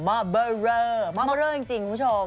หม้อเบอร์เบอร์หม้อเบอร์เบอร์จริงคุณผู้ชม